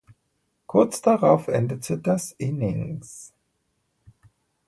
Kurz darauf endete das Innings.